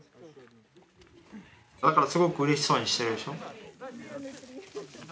だからすごくうれしそうにしてるでしょ。